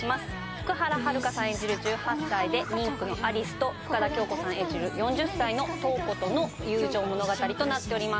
福原遥さん演じる１８歳で妊婦の有栖と深田恭子さん演じる４０歳の瞳子との友情物語となっております